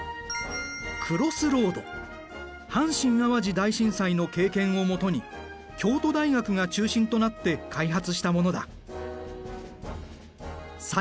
阪神・淡路大震災の経験を基に京都大学が中心となって開発したものだ。